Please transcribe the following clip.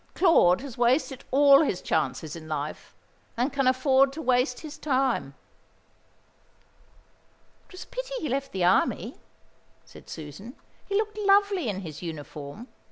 Claude has wasted all his chances in life, and can afford to waste his time." "It was a pity he left the Army," said Susan. "He looked lovely in his uniform.